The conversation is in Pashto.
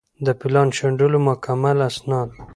د پلان شنډولو مکمل اسناد